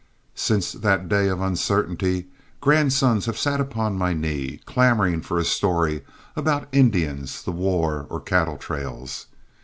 Since that day of uncertainty, grandsons have sat upon my knee, clamoring for a story about Indians, the war, or cattle trails.